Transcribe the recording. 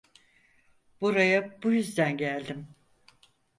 Buraya bu yüzden geldim.